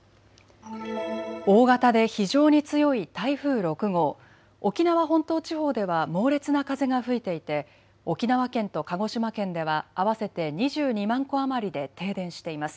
大型で非常に強い台風６号、沖縄本島地方では猛烈な風が吹いていて沖縄県と鹿児島県では合わせて２２万戸余りで停電しています。